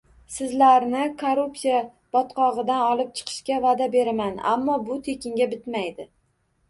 Sizlarni korrupsiya botqog'idan olib chiqishga va'da beraman, ammo bu tekinga bitmaydi!!